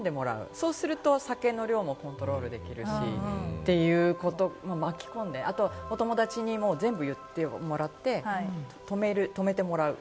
そうするとお酒の量のコントロールもできるし、巻き込んで、あと、お友達にも全部言ってもらって、止めてもらう。